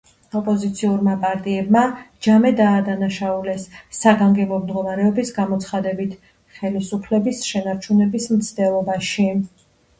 ოპოზიციურმა პარტიებმა ჯამე დაადანაშაულეს საგანგებო მდგომარეობის გამოცხადებით ხელისუფლების შენარჩუნების მცდელობაში.